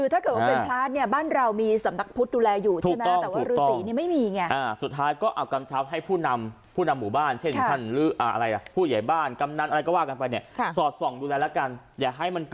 แต่ถ้าเกิดว่ามันเป็นพลาสเนี่ยบ้านเรามีสำตรักพุทธธุแลอยู่ใช่มั้ย